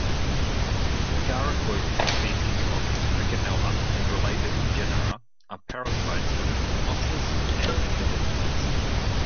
Agaricoid species of "Rickenella" and related genera are parasites of mosses and liverworts.